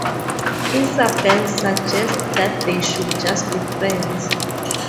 Isabelle suggests that they should just be friends.